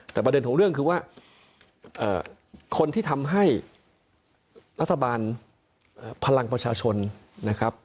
แต่ประเด็นของเรื่องคือว่าคนที่ทำให้รัฐบาลพลังประชาชนนะครับ